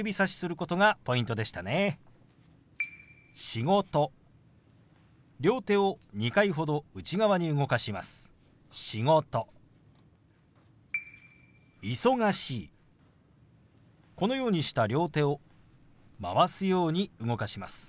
このようにした両手を回すように動かします。